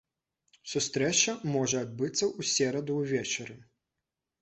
Сустрэча можа адбыцца ў сераду ўвечары.